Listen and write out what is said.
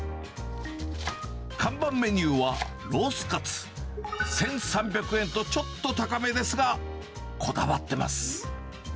看板メニューはロースかつ、１３００円とちょっと高めですが、こだわってます。